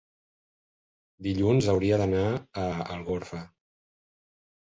Dilluns hauria d'anar a Algorfa.